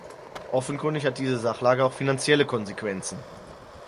Offenkundig hat diese Sachlage auch finanzielle Konsequenzen.